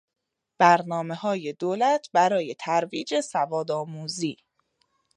برنامه های دولت برای ترویج سواد آموزی